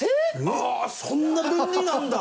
ああーそんな便利なんだ！